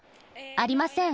ありません。